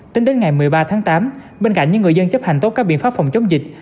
tính đến ngày một mươi ba tháng tám bên cạnh những người dân chấp hành tốt các biện pháp phòng chống dịch